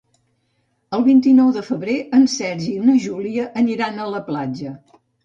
El vint-i-nou de febrer en Sergi i na Júlia aniran a la platja.